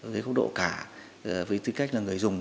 với khu độ cả với tư cách là người dùng